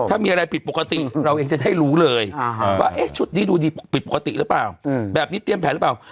ถ้ามีอะไรผิดปกติเราเองจะได้รู้เลยว่าชุดนี้ดูดีผิดปกติหรือเปล่าแบบนี้เตรียมแผนหรือเปล่า